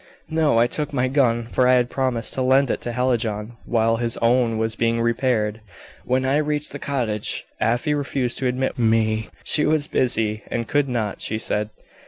"No. I took my gun, for I had promised to lend it to Hallijohn while his own was being repaired. When I reached the cottage Afy refused to admit me; she was busy, and could not, she said.